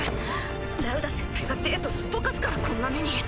ラウダ先輩がデートすっぽかすからこんな目に。